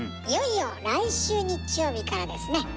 いよいよ来週日曜日からですね。